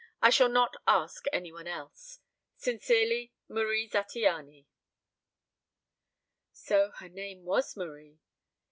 I shall not ask any one else. "Sincerely, "MARIE ZATTIANY." So her name was Marie.